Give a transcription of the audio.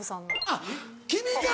あっ君が！